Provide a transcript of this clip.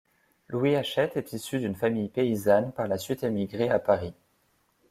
Louis Hachette est issu d'une famille paysanne, par la suite émigrée à Paris.